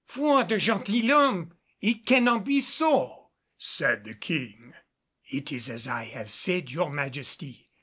"Foi de gentilhomme! It cannot be so!" said the King. "It is as I have said, your Majesty.